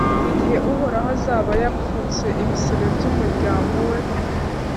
Igihe Uhoraho azaba yapfutse ibisebe by’umuryango we,